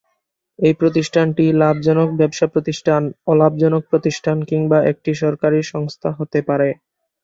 এই প্রতিষ্ঠানটি লাভজনক ব্যবসা-প্রতিষ্ঠান, অলাভজনক প্রতিষ্ঠান কিংবা একটি সরকারী সংস্থা হতে পারে।